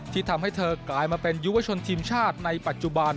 ที่ทำให้เธอกลายมาเป็นยุวชนทีมชาติในปัจจุบัน